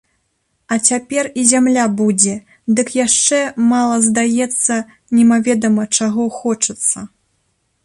А цяпер і зямля будзе, дык яшчэ мала здаецца, немаведама чаго хочацца.